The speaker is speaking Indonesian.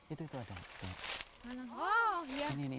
itu ada ini ini ini